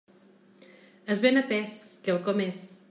Es ven a pes, quelcom és.